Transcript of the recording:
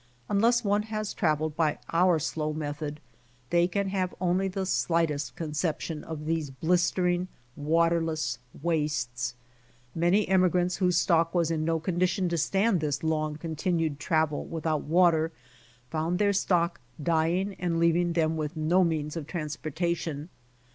Unless one has traveled by our slow method, they can have only the slightest conception of these blistering, waterless wastes. Many emigrants whose stock was in no con dition to stand this long continued travel without water, found their stock dying and leaving them with no means of transportation.